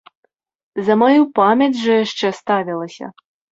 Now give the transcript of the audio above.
За маю памяць жа яшчэ ставілася.